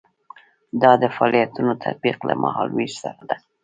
دا د فعالیتونو تطبیق له مهال ویش سره ده.